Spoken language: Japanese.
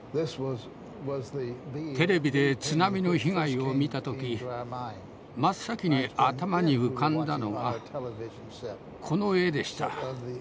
テレビで津波の被害を見た時真っ先に頭に浮かんだのがこの絵でした。